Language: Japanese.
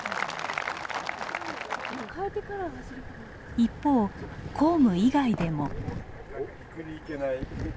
一方公務以外でも。